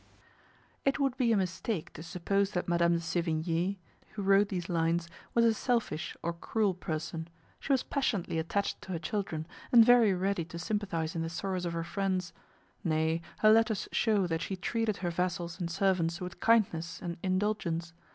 It would be a mistake to suppose that Madame de Sevigne, who wrote these lines, was a selfish or cruel person; she was passionately attached to her children, and very ready to sympathize in the sorrows of her friends; nay, her letters show that she treated her vassals and servants with kindness and indulgence.